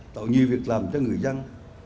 tạo nhiều việc làm cho người dân